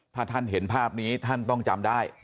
ถ้าท่านเห็นภาพนี้ท่านต้องจำได้